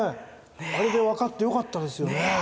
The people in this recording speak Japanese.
あれでわかってよかったですよね。